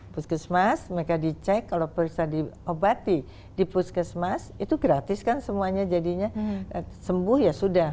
puskesmas mereka dicek kalau periksa diobati di puskesmas itu gratis kan semuanya jadinya sembuh ya sudah